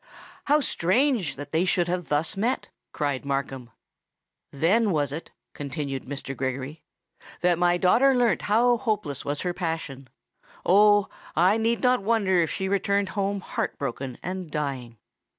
"How strange that they should have thus met!" cried Markham. "Then was it," continued Mr. Gregory, "that my daughter learnt how hopeless was her own passion! Oh! I need not wonder if she returned home heart broken and dying!